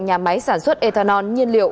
nhà máy sản xuất ethanol nhiên liệu